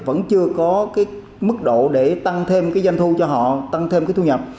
vẫn chưa có mức độ để tăng thêm doanh thu cho họ tăng thêm thu nhập